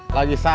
lagi santai nih